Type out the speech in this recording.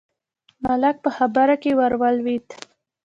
ملک په خبره کې ور ولوېد: